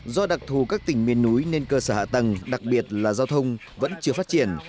do đặc thù các tỉnh miền núi nên cơ sở hạ tầng đặc biệt là giao thông vẫn chưa phát triển